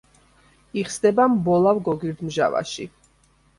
იხსნება მბოლავ გოგირდმჟავაში.